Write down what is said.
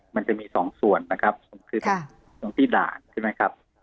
มันจะมีสองส่วนนะครับคือตรงที่ด่านใช่ไหมครับ